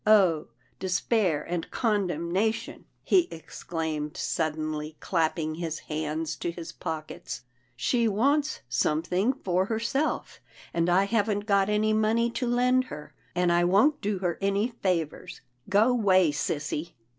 Oh! despair and condemnation!" he exclaimed sud denly clapping his hands to his pockets, " she wants something for herself, and I haven't got any money to lend her, and I won't do her any favours. Go 'way, sissy."